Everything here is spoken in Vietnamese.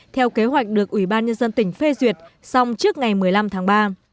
theo kế hoạch được ủy ban nhân dân tỉnh phê duyệt xong trước ngày một mươi năm tháng ba